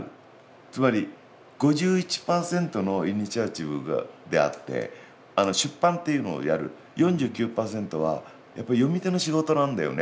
つまり５１％のイニシアチブであって出版っていうのをやる４９％はやっぱり読み手の仕事なんだよねって。